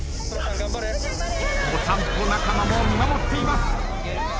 お散歩仲間も見守っています。